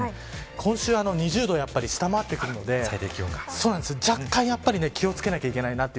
今週は２０度を下回ってくるので若干、気を付けなければいけないなって